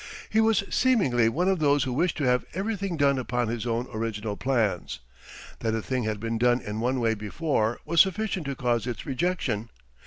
He was seemingly one of those who wished to have everything done upon his own original plans. That a thing had been done in one way before was sufficient to cause its rejection.